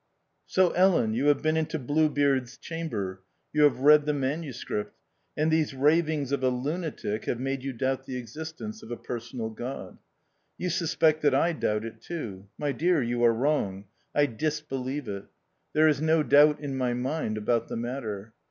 So, Ellen, you have been into Bluebeard's chamber ; you have read the manuscript ; and these ravings of a lunatic have made you doubt the existence of a Personal God. You suspect that I doubt it too. My dear, you are wrong ; I disbelieve it. There is no doubt in my mind about the matter.